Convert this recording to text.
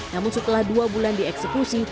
namun setelah dua bulan dieksekusi